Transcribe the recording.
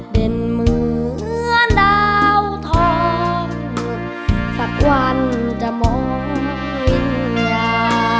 เป็นเหมือนดาวทองสักวันจะมองวิญญา